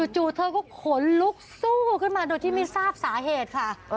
เธอก็ขนลุกสู้ขึ้นมาโดยที่ไม่ทราบสาเหตุค่ะ